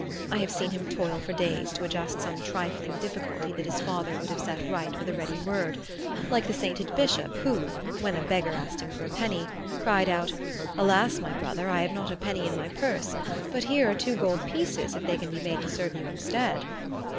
I have seen him toil for days to adjust some trifling difficulty that his father would have set right with a ready word; like the sainted bishop who, when a beggar asked him for a penny, cried out: "Alas, my brother, I have not a penny in my purse; but here are two gold pieces, if they can be made to serve you instead!"